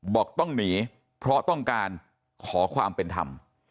บอกต้องหนีเพราะต้องการขอความเป็นธรรม